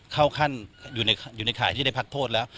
เข้าขั้นอยู่ในข่ายที่ได้พักโทษแล้ว